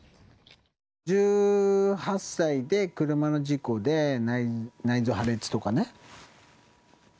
１８歳で車の事故で内臓破裂とかね。